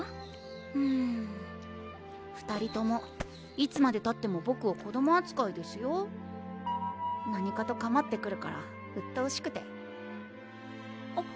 うん２人ともいつまでたってもボクを子どもあつかいですよ何かとかまってくるからうっとうしくてあっ！